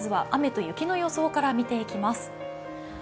まずは雨と雪の予想から見ていきます。